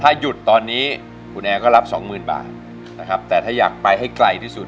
ถ้ายุดตอนนี้คุณแอ๋ก็รับ๒๐๐๐๐บาทแต่ถ้าอยากไปให้ใกล้ที่สุด